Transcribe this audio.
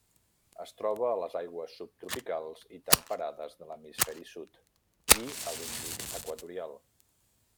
Es troba a les aigües subtropicals i temperades de l'hemisferi sud, i a l'Índic equatorial.